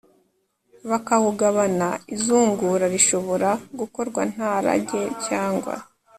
bakawugabana. izungura rishobora gukorwa nta rage cyangwa